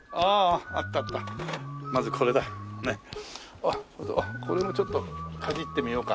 あっこれもちょっとかじってみようか。